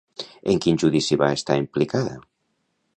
En quin judici va estar implicada?